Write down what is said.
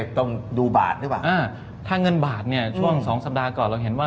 เนตรงดูบาทดูป่ะท่าเงินบาทเนี่ยช่วงสองสัปดาห์ก่อนเราเห็นว่า